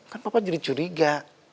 kan papa jadi curiga